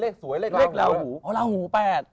เลขสวยเลขลาหู๘